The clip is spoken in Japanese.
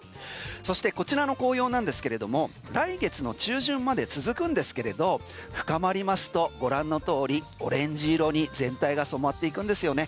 そしてこちらの紅葉なんですけれども来月の中旬まで続くんですけれど深まりますとご覧のとおり、オレンジ色に全体が染まっていくんですよね。